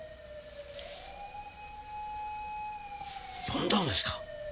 呼んだんですか！？